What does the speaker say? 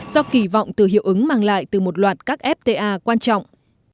do kỳ vọng từ hiệu ứng mang lại từ một loạt các fta quan trọng